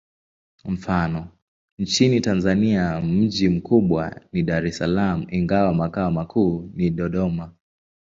Mfano: nchini Tanzania mji mkubwa ni Dar es Salaam, ingawa makao makuu ni Dodoma.